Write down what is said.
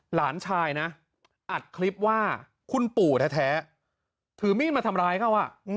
หลานชายนะอัดคลิปว่าคุณปู่แท้ถือมีดมาทำร้ายเขา